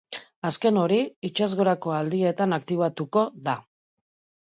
Azken hori, itsasgorako aldietan aktibatuko da.